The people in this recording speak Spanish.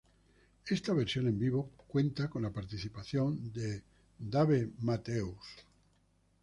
Esta versión en vivo cuanta con la participación de Dave Matthews.